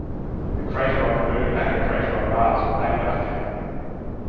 A crater on the moon and a crater on Mars were named after him.